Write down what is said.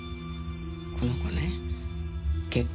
この子ね結婚